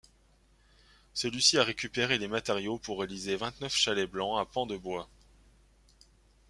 Celui-ci a récupéré les matériaux pour réaliser vingt-neuf chalets blancs à pans de bois.